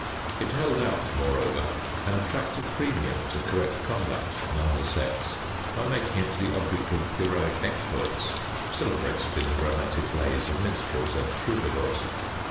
It held out, moreover, an attractive premium to correct conduct among the sex by making it the object of heroic exploits, celebrated in the romantic lays of minstrels and troubadours.